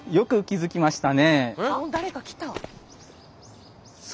誰か来た！